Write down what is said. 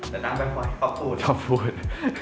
แต่ตั้งแบดไวท์ชอบพูด